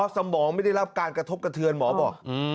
สมองไม่ได้รับการกระทบกระเทือนหมอบอก